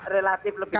relatif lebih kecil